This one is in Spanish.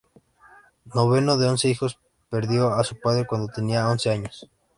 Noveno de once hijos, perdió a su padre cuando tenía once años.